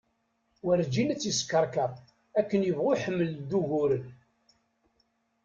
Warǧin ad tt-yeskeṛkeṛ akken yebɣu iḥeml-d d uguren